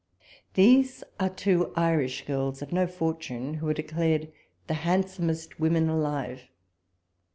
These are two Irish girls, of no for tune, who are declared the handsomest women alive.